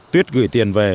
tuyết gửi tiền về